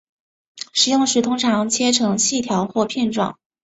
食用时通常切成细条或片状。